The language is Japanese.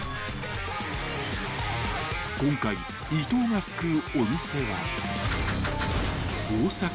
［今回伊東が救うお店は］